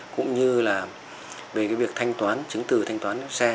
cũng như là về cái việc thanh toán chứng từ thanh toán xe